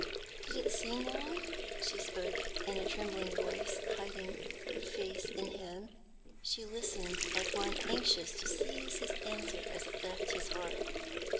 "Did it seem long?" She spoke in a trembling voice, hiding her face in him. She listened like one anxious to seize his answer as it left his heart.